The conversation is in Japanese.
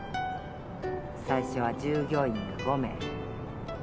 最初は従業員が５名。